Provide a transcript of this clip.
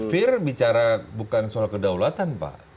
fear bicara bukan soal kedaulatan pak